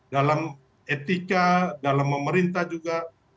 dalam etika dalam memerintah juga